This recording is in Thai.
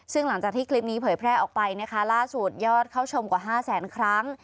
ซึ่งหลังจากที่คลิปนี้เผยแพร่ออกไปนะคะล่าสุดยอดเข้าชมกว่า๕แสนครั้ง